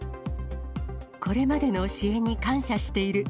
これまでの支援に感謝している。